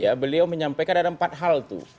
ya beliau menyampaikan ada empat hal tuh